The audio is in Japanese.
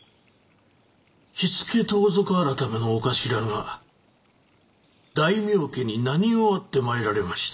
火付盗賊改の長官が大名家に何用あって参られました？